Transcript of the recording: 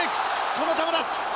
この球出し。